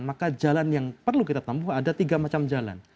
maka jalan yang perlu kita tempuh ada tiga macam jalan